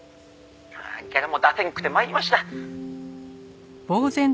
「ギャラも出せんくて参りました」